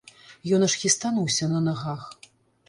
Ён аж хістануўся на нагах.